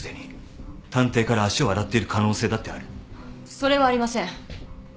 それはありません。